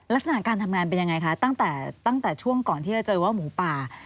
ลักษณะการทำงานเป็นยังไงคะตั้งแต่ช่วงก่อนที่จะเจอว่าหมูป่า